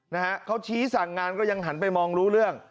นะฮะเขาชี้สั่งงานก็ยังหันไปมองรู้เรื่อง